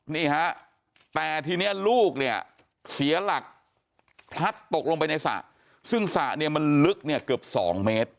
นี่ฮะแต่ทีนี้ลูกเนี่ยเสียหลักพลัดตกลงไปในสระซึ่งสระเนี่ยมันลึกเนี่ยเกือบ๒เมตร